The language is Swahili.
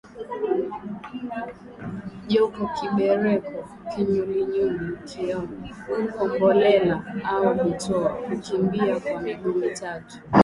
Joka Kibereko Kinyulinyuli Kioo Kombolela au butuo Kukimbia kwa miguu mitatu